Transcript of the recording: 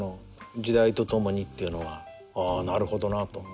時代と共にっていうのはなるほどなと。